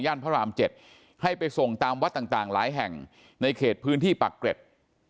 พระราม๗ให้ไปส่งตามวัดต่างหลายแห่งในเขตพื้นที่ปักเกร็ด